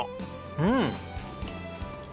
うん！